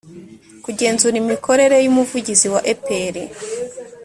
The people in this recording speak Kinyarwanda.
kugenzura imikorere y umuvugizi wa epr